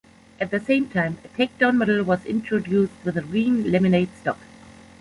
At the same time a "Takedown" model was introduced with a green laminate stock.